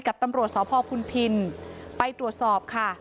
กับตำรวจสพพุนพินไปตรวจสอบค่ะ